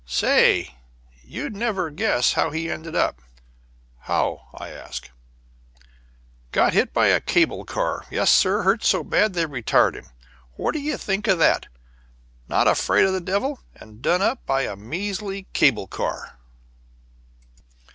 Say, you'd never guess how he ended up?" "How?" I asked. "Got hit by a cable car; yes, sir. Hurt so bad they retired him. What d' ye think of that? Not afraid of the devil, and done up by a measly cable car!"